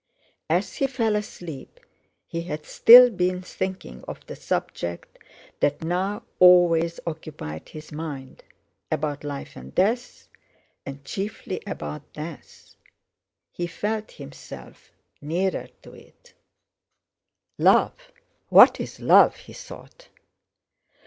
As he fell asleep he had still been thinking of the subject that now always occupied his mind—about life and death, and chiefly about death. He felt himself nearer to it. "Love? What is love?" he thought.